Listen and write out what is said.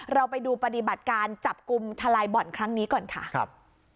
เราไปดูปฏิบัติการจับกลุ่มทะลายบ่อนครั้งนี้ก่อนค่ะครับ